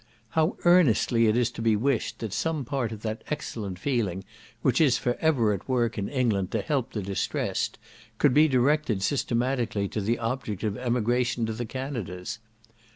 How earnestly it is to be wished that some part of that excellent feeling which is for ever at work in England to help the distressed, could be directed systematically to the object of emigration to the Canadas.